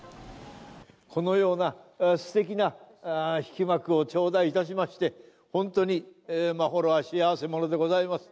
このようなすてきな引幕を頂戴いたしまして、本当に眞秀は幸せ者でございます。